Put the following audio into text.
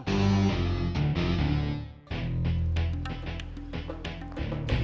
correktur sisme mip sebagai lucu